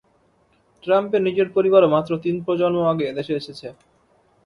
ট্রাম্পের নিজের পরিবারও মাত্র তিন প্রজন্ম আগে এ দেশে এসেছে।